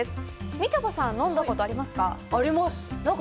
みちょぱさん、飲んだことありますか？